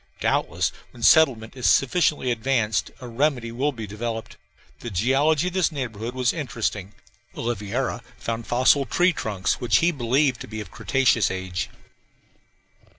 Doubtless when settlement is sufficiently advanced a remedy will be developed. The geology of this neighborhood was interesting Oliveira found fossil tree trunks which he believed to be of cretaceous age.